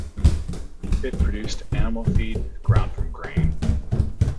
It produced animal feed ground from grain.